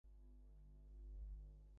সে কোথায় জানেন?